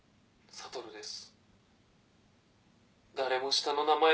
悟です。